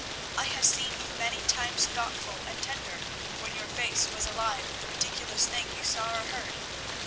I have seen you many times thoughtful and tender, when your face was alive with the ridiculous thing you saw or heard.